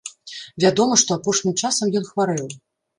Вядома, што апошнім часам ён хварэў.